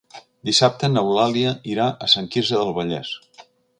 Dissabte n'Eulàlia irà a Sant Quirze del Vallès.